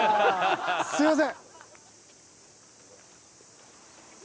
すいません！